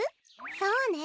そうね。